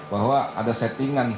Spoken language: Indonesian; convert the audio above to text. bahwa ada settingan